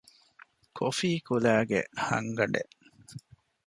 ކޮފީކުލައިގެ ހަންގަނޑެއް